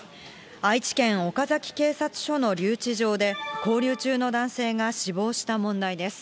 愛知県岡崎警察署の留置場で、勾留中の男性が死亡した問題です。